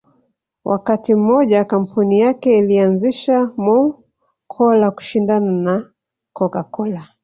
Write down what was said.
Wakati mmoja kampuni yake ilianzisha Mo Cola kushindana na Coca Cola